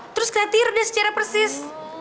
terus kelihatan udah secara persis